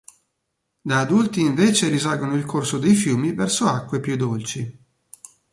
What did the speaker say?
Da adulti invece risalgono il corso dei fiumi verso acque più dolci.